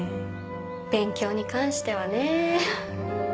勉強に関してはね。